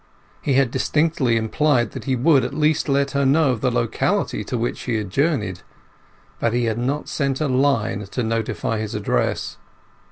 He had distinctly implied that he would at least let her know of the locality to which he had journeyed; but he had not sent a line to notify his address.